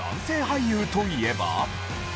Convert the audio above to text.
俳優といえば？